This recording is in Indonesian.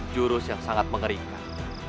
jurus yang sangat mengerikan